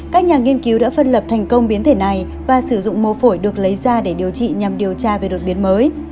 các nhà nghiên cứu đã phân lập thành công biến thể này và sử dụng mô phổi được lấy ra để điều trị nhằm điều tra về đột biến mới